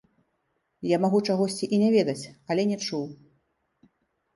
Я магу чагосьці і не ведаць, але не чуў.